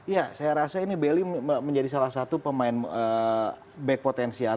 ya saya rasa ini baily menjadi salah satu pemain back potensial